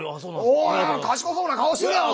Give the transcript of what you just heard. おお賢そうな顔してるやん！